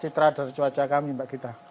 citra radar cuaca kami pak gita